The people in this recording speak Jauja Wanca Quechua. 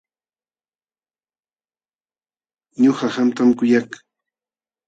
Ñuqa qamtam kuyak.